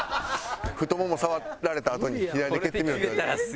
太もも触られたあとに左で蹴ってみろって。